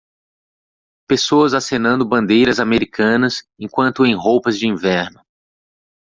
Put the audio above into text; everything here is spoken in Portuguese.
Pessoas acenando bandeiras americanas enquanto em roupas de inverno.